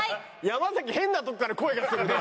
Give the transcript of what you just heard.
山崎変なとこから声がするな。